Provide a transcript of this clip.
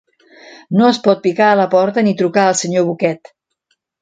No es pot picar a la porta ni trucar al senyor Bucket.